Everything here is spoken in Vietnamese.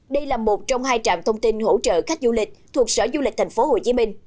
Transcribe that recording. đây là một trong hai trạm thông tin hỗ trợ khách du lịch thuộc sở du lịch tp hcm